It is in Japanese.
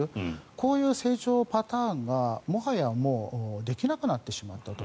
こういう成長パターンがもはやもうできなくなってしまうと。